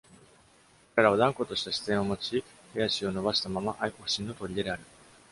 彼らは断固とした視線を持ち、手足を伸ばしたまま、愛国心の砦である。